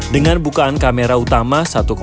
dengan bukaan kamera utama satu delapan